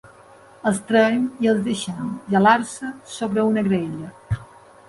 Els traem i els deixem gelar-se sobre una graella.